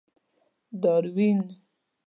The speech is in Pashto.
داروېن.